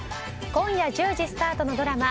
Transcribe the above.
今夜１０時スタートのドラマ